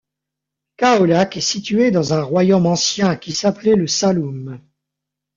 Kaolack est situé dans un royaume ancien qui s'appelait le Saloum.